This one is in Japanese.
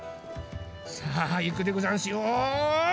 さあいくでござんすよ。